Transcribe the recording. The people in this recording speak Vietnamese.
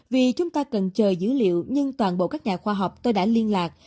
vì chúng ta cần chờ dữ liệu nhưng toàn bộ các nhà khoa học tôi đã liên lạc